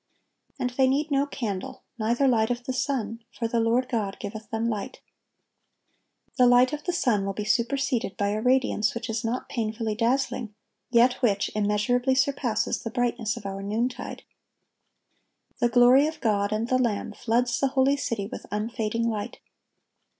"And they need no candle, neither light of the sun; for the Lord God giveth them light."(1190) The light of the sun will be superseded by a radiance which is not painfully dazzling, yet which immeasurably surpasses the brightness of our noontide. The glory of God and the Lamb floods the holy city with unfading light.